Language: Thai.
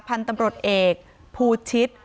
พันธุ์ตำรวจเอกภูชิต